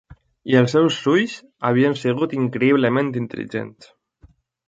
I els seus ulls havien sigut increïblement intel·ligents.